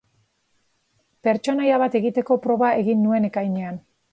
Pertsonaia bat egiteko proba egin nuen ekainean.